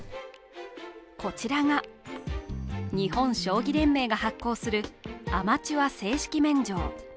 こちらが日本将棋連盟が発行するアマチュア正式免状。